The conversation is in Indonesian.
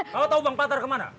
kau tau bang patar kemana